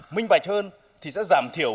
minh bạch hơn thì sẽ giảm thiểu